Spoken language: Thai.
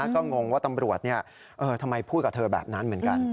ก็งงว่าตำรวจทำไมพูดกับเธอแบบนั้นเหมือนกัน